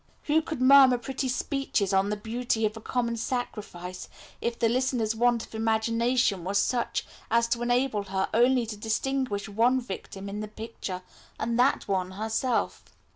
"Who could murmur pretty speeches on the beauty of a common sacrifice, if the listener's want of imagination was such as to enable her only to distinguish one victim in the picture, and that one herself?"